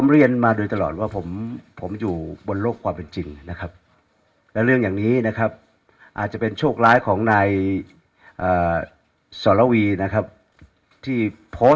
แจ้งความโดยสุดแล้วไปแจ้งความโดยสุดแล้วไปแจ้งความโดยสุดแล้วไปแจ้งความโดยสุดแล้วไปแจ้งความโดยสุดแล้วไปแจ้งความโดยสุด